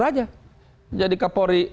saja jadi kapolri